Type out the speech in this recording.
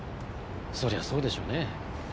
そりゃそうでしょうね。